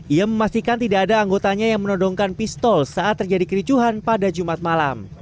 ia memastikan tidak ada anggotanya yang menodongkan pistol saat terjadi kericuhan pada jumat malam